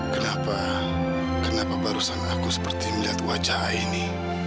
kenapa kenapa barusan aku seperti melihat wajah ini